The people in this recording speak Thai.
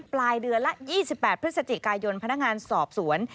ปลายเดือนละ๒๘พฤศจิกายนพนักงานสอบสวน